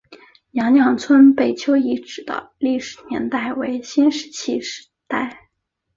娘娘村贝丘遗址的历史年代为新石器时代。